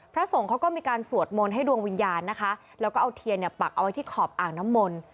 พระสงฆ์เขาก็มีการสวดมนต์ให้ดวงวิญญาณนะคะแล้วก็เอาเทียนเนี่ยปักเอาไว้ที่ขอบอ่างน้ำมนต์